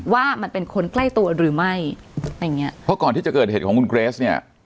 ว่ามันเป็นคนใกล้ตัวหรือไม่อะไรอย่างเงี้ยเพราะก่อนที่จะเกิดเหตุของคุณเกรสเนี่ย